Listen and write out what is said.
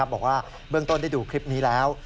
บอกว่าเบื้องต้นได้ดูคลิปนี้แล้ว